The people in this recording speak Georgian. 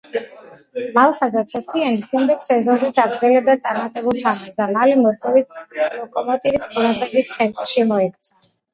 მალხაზ ასათიანი შემდეგ სეზონშიც აგრძელებდა წარმატებულ თამაშს და მალე მოსკოვის „ლოკომოტივის“ ყურადღების ცენტრში მოექცა.